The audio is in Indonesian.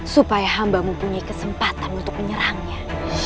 supaya hambamu punya kesempatan untuk menyerangnya